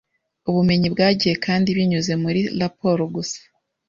Ubumenyi bwagiye kandi binyuze muri raporo gusa